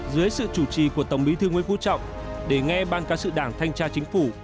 dưới sự chủ trì của tổng bí thư nguyễn vũ trọng để nghe ban cán sự đảng thanh tra chính phủ